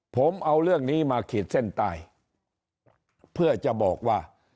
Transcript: ผมเอาเรื่องนี้มาขีดเส้นใต้เพื่อจะบอกว่า